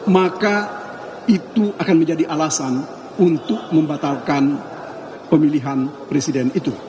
maka itu akan menjadi alasan untuk membatalkan pemilihan presiden itu